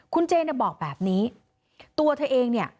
คุณเจนบอกแบบนี้ตัวเธอเองเนี่ย